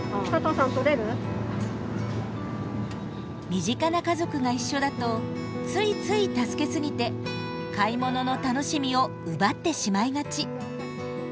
身近な家族が一緒だとついつい助けすぎて買い物の楽しみを奪ってしまいがち。